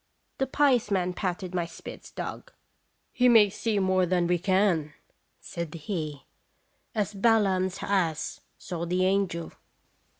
The pious man patted my Spitz dog. " He may see more than we can," said he, "as Balaam's ass saw the angel."